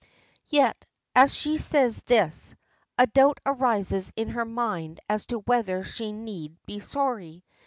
Yet as she says this, a doubt arises in her mind as to whether she need be sorry.